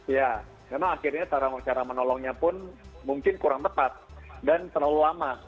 ya memang akhirnya cara menolongnya pun mungkin kurang tepat dan terlalu lama